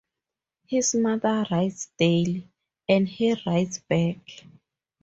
His mother writes daily, and he writes back.